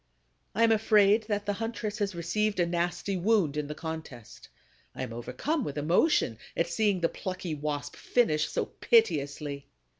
I am afraid that the huntress has received a nasty wound in the contest. I am overcome with emotion at seeing the plucky Wasp finish so piteously.